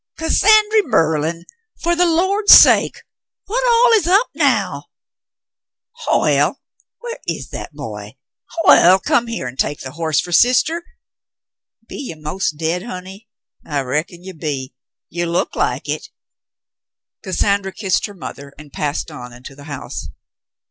"Cassandry Merlin! For the Lord's sake! What all is up now ? Hoyle — where is that boy ?— Hoyle, come here an' take the horse fer sister. Be ye most dade, honey ? I reckon ye be. Ye look like hit." Cassandra kissed her mother and passed on into the house.